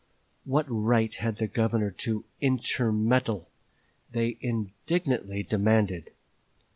What right had the Governor to intermeddle? they indignantly demanded.